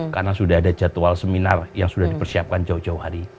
karena sudah ada jadwal seminar yang sudah dipersiapkan jauh jauh hari